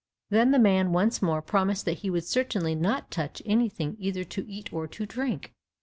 Then the man once more promised that he would certainly not touch anything either to eat or to drink.